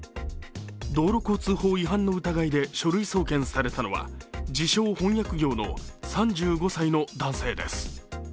道路交通法違反の疑いで書類送検されたのは、自称・翻訳業の３５歳の男性です。